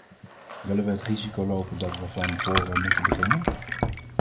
Willen we het risico lopen dat we van voren moeten beginnen?